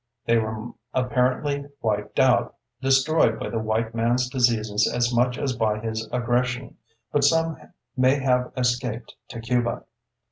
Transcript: They were apparently wiped out, destroyed by the white man's diseases as much as by his aggression; but some may have escaped to Cuba.